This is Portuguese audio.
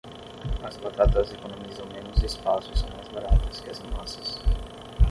As batatas economizam menos espaço e são mais baratas que as massas.